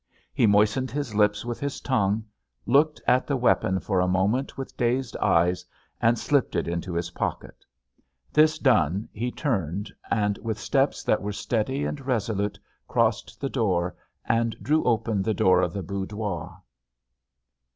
He moistened his lips with his tongue, looked at the weapon for a moment with dazed eyes, and slipped it into his pocket. This done, he turned, and with steps that were steady and resolute, crossed the room and drew open the door of the boudoir.